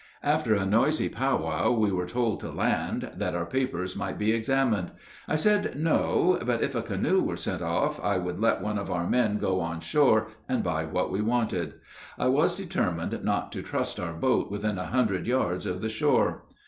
After a noisy powwow we were told to land, that our papers might be examined. I said no, but if a canoe were sent off, I would let one of our men go on shore and buy what we wanted. I was determined not to trust our boat within a hundred yards of the shore.